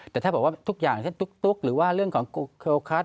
แต่ถ้าบอกว่าทุกอย่างเช่นตุ๊กหรือว่าเรื่องของเคลคัส